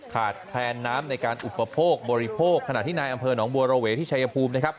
ขาดแคลนน้ำในการอุปโภคบริโภคขณะที่นายอำเภอหนองบัวระเวที่ชายภูมินะครับ